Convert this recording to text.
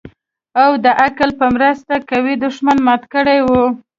او د عقل په مرسته يې قوي دښمن مات کړى و.